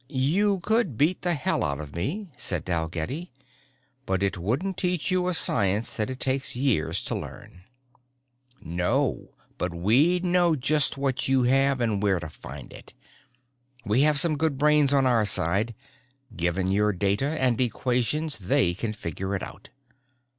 "You could beat the hell out of me," said Dalgetty, "but it wouldn't teach you a science that it takes years to learn." "No, but we'd know just what you have and where to find it. We have some good brains on our side. Given your data and equations they can figure it out."